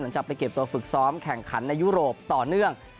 จะไปเก็บตัวฝึกซ้อมแข่งขันในยุโรปต่อเนื่อง